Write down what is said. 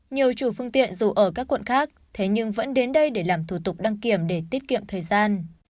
nhiều chủ phương tiện dù ở các quận khác thế nhưng vẫn đến đây để làm thủ tục đăng kiểm để tiết kiệm thời gian